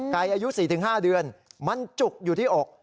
อายุ๔๕เดือนมันจุกอยู่ที่อก